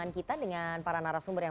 kita makan sekarang